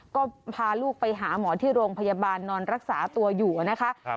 ก็พาลูกไปหาหมอที่โรงพยาบาลนอนรักษาตัวอยู่นะคะ